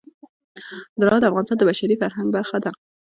زراعت د افغانستان د بشري فرهنګ برخه ده.